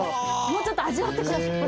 もうちょっと味わって下さい。